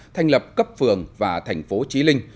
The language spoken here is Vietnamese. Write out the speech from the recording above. thành lập cấp phường và thành phố trí linh